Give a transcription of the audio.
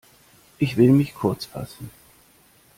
Ich will mich kurzfassen.